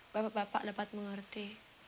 bapak bapak dapat mengerti